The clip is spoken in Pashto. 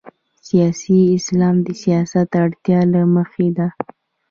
سیاسي اسلام د سیاست اړتیا له مخې ده.